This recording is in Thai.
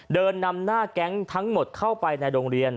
เดินนำหน้าแก๊งทั้งหมดเข้าไปในโรงเรียน